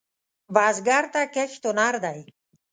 بزګر ته کښت هنر دی